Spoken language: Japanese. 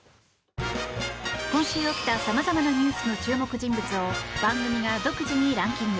今週起きた様々なニュースの注目人物を番組が独自にランキング。